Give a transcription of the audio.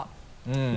うん。